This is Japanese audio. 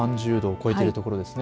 ３０度を超えている所ですね。